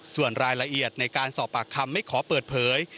ส่วนรายละเอียดในการสอบปากคำไม่ขอเปิดเผย